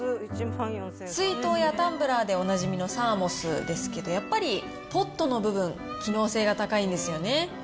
水筒やタンブラーでおなじみのサーモスですけど、やっぱりポットの部分、機能性が高いんですよね。